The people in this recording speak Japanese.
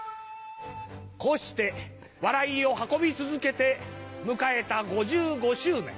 こうして笑いを運び続けて迎えた５５周年。